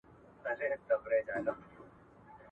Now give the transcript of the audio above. زه بايد نان وخورم،